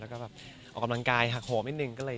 แล้วก็แบบออกกำลังกายหักโหนิดนึง